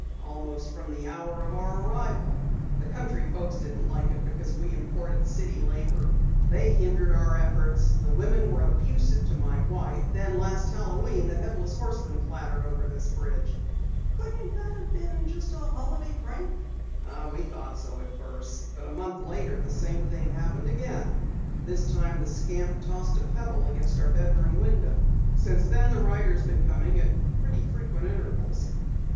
"Almost from the hour of our arrival. The country folks didn't like it because we imported city labor. They hindered our efforts. The women were abusive to my wife. Then last Halloween, the Headless Horseman clattered over this bridge." "Couldn't it have been a holiday prank?" "We thought so at first, but a month later, the same thing happened again. This time the scamp tossed a pebble against our bedroom window. Since then the rider has been coming at fairly frequent intervals."